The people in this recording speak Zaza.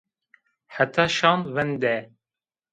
Heta şan vinde